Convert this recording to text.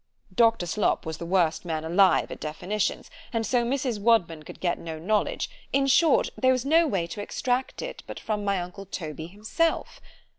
Doctor Slop was the worst man alive at definitions; and so Mrs. Wadman could get no knowledge: in short, there was no way to extract it, but from my uncle Toby himself.